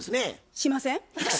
しません。